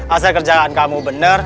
asal kerjaan kamu bener